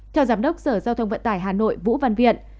theo giám đốc sở giao thông vận tải hà nội vũ văn viện